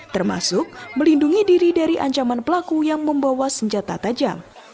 termasuk melindungi diri dari ancaman pelaku yang membawa senjata tajam